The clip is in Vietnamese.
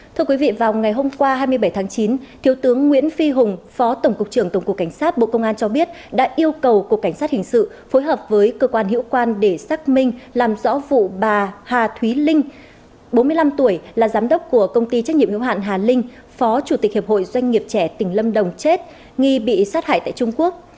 thưa quý vị vào ngày hôm qua hai mươi bảy tháng chín thiếu tướng nguyễn phi hùng phó tổng cục trưởng tổng cục cảnh sát bộ công an cho biết đã yêu cầu cục cảnh sát hình sự phối hợp với cơ quan hiệu quan để xác minh làm rõ vụ bà hà thúy linh bốn mươi năm tuổi là giám đốc của công ty trách nhiệm hiệu hạn hà linh phó chủ tịch hiệp hội doanh nghiệp trẻ tỉnh lâm đồng chết nghi bị sát hại tại trung quốc